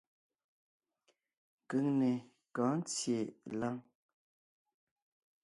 Keŋne kɔ̌ɔn ńtyê láŋ.